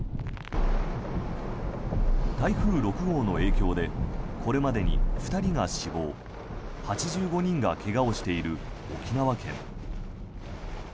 台風６号の影響でこれまでに２人が死亡８５人が怪我をしている沖縄県。